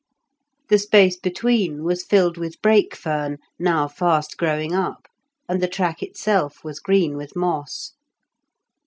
The space between was filled with brake fern, now fast growing up, and the track itself was green with moss.